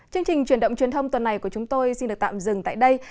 chương trình truyền động truyền thông tuần này của chúng tôi xin được tạm dừng tại đây